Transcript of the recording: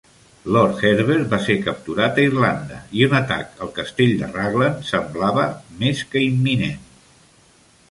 Lord Herbert va ser capturat a Irlanda i un atac al castell de Raglan semblava més que imminent.